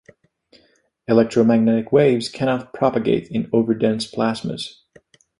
Electromagnetic waves cannot propagate in over-dense plasmas.